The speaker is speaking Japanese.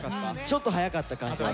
ちょっと早かった感じが。